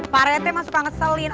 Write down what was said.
pak rete masih suka ngeselin